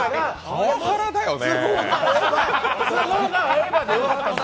パワハラだよね。